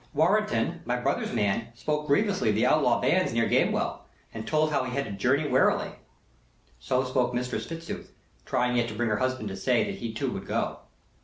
"Warrenton, my brother's man, spoke grievously of the outlaw bands near Gamewell, and told how he had to journey warily," So spoke Mistress Fitzooth, trying yet to bring her husband to say that he too would go.